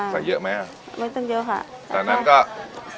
ใส่เส้นก่อน